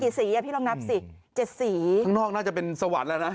สีอ่ะพี่ลองนับสิ๗สีข้างนอกน่าจะเป็นสวรรค์แล้วนะ